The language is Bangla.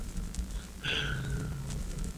বেচারার সাহায্য করুন, নির্দোষ বলে মনে হচ্ছে।